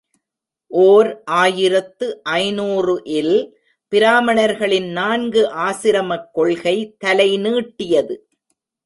ஓர் ஆயிரத்து ஐநூறு இல், பிராமணர்களின் நான்கு ஆசிரமக் கொள்கை தலை நீட்டியது.